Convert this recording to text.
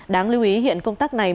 đáng lưu ý hiện công tác này